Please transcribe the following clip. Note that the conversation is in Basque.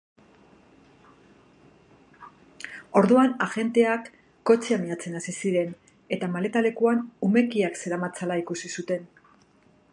Orduan, agenteak kotxea miatzen hasi ziren eta maleta-lekuan umekiak zeramatzala ikusi zuten.